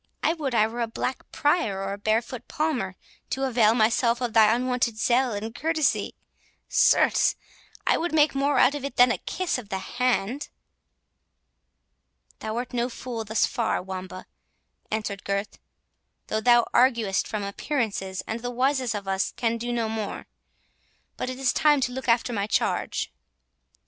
I would I were a black Prior or a barefoot Palmer, to avail myself of thy unwonted zeal and courtesy—certes, I would make more out of it than a kiss of the hand." "Thou art no fool thus far, Wamba," answered Gurth, "though thou arguest from appearances, and the wisest of us can do no more—But it is time to look after my charge."